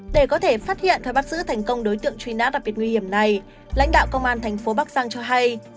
để có thể phát hiện và bắt giữ thành công đối tượng truy nã đặc biệt nguy hiểm này lãnh đạo công an thành phố bắc giang cho hay